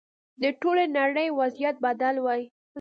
د ټولې نړۍ وضعیت بدل وای.